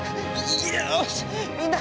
よしみんな！